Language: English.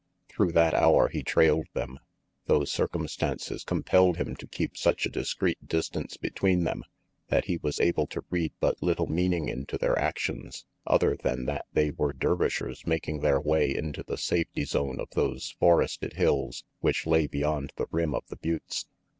Through that hour he trailed them, though circumstances com pelled him to keep such a discreet distance between them that he was able to read but little meaning into their actions, other than that they were Dervishers 324 RANGY PETE making their way into the safety zone of those forested hills which lay beyond the rim of the buttes.